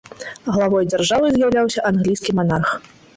Главой дзяржавы з'яўляўся англійскі манарх.